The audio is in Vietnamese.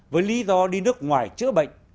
với lý do đi nước ngoài chữa bệnh